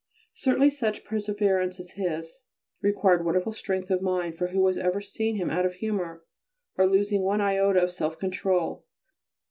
Certainly such perseverance as his, required wonderful strength of mind, for who has ever seen him out of humour, or losing one iota of self control?